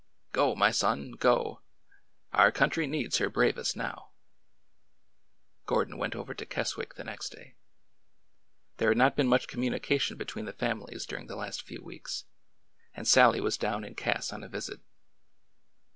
Go, my son, go ! Our country needs her bravest now !" Gordon went over to Keswick the next day. There had not been much communication between the families during the last few weeks, and Sallie was down in Cass on a visit.